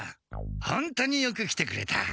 本当によく来てくれた。